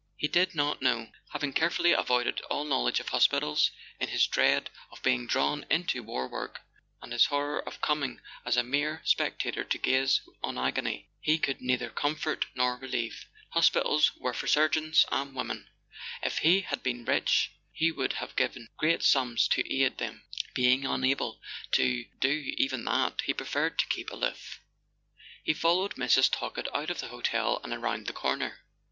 He did not know—having carefully avoided all knowledge of hospitals in his dread of being drawn into [ 144 ] A SON AT THE FRONT war work, and his horror of coming as a mere spec¬ tator to gaze on agony he could neither comfort nor relieve. Hospitals were for surgeons and women; if he had been rich he would have given big sums to aid them; being unable to do even that, he preferred to keep aloof. He followed Mrs. Talkett out of the hotel and around the corner.